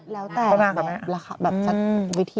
แล้วแต่ราคาแบบวิธี